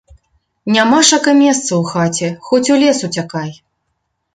Нямашака месца ў хаце, хоць у лес уцякай.